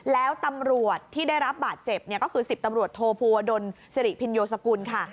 แล้วตำรวจที่ได้รับบาดเจ็บก็คือ๑๐ตำรวจโทภูวดลสิริพินโยสกุลค่ะ